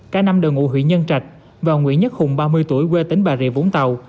cả năm đều ngụ huyện nhân trạch và nguyễn nhất hùng ba mươi tuổi quê tỉnh bà rịa vũng tàu